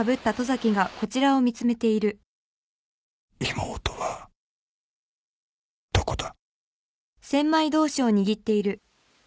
妹はどこだ？